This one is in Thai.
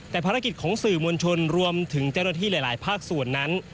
แต่ภารกิจของสื่อมวลชนรวมถึงเจ้าหน้าที่หลายภาคส่วนนั้น